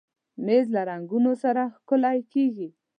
مېز له رنګونو سره ښکلی کېږي.